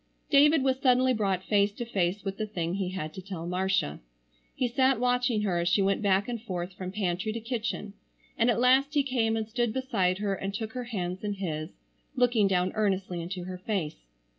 David was suddenly brought face to face with the thing he had to tell Marcia. He sat watching her as she went back and forth from pantry to kitchen, and at last he came and stood beside her and took her hands in his looking down earnestly into her face.